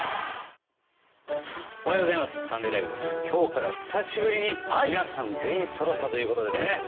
今日から久しぶりに皆さん全員そろったということですね。